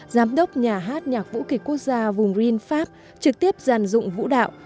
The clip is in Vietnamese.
giám đốc nhà hát nhạc vũ kịch quốc gia vùng rhin pháp trực tiếp giàn dụng vũ đạo